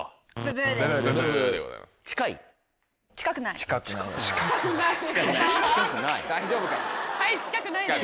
近い？